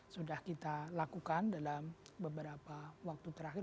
sudah kita lakukan dalam beberapa waktu terakhir